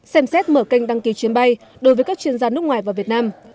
xem xét mở kênh đăng ký chuyến bay đối với các chuyên gia nước ngoài và việt nam